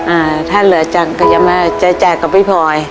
อ่าถ้าเหลือจังก็จะมาใช้จ่ายกับพี่พลอย